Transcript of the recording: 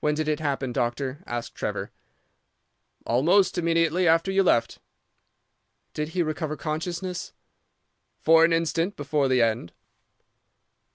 "'When did it happen, doctor?' asked Trevor. "'Almost immediately after you left.' "'Did he recover consciousness?' "'For an instant before the end.